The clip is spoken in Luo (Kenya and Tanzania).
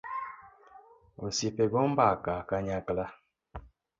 Osiepe go mbaka kanayakla